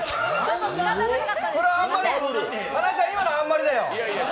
花井さん、今のあんまりだよ。